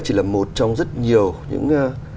chỉ là một trong rất nhiều những